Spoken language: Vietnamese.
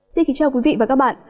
xin kính chào quý vị và các bạn